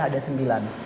ini ada sembilan